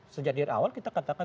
sejak dari awal kita katakan